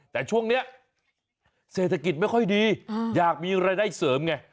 แต่ช่วงนี้เศรษฐกิจไม่ค่อยดีอยากมีรายได้เสริมไง